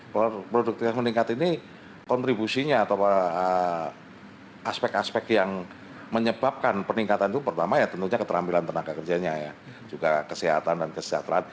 produktivitas meningkat ini kontribusinya atau aspek aspek yang menyebabkan peningkatan itu pertama ya tentunya keterampilan tenaga kerjanya ya juga kesehatan dan kesejahteraan